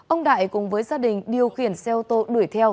ông đại cùng với gia đình điều khiển xe ô tô đuổi theo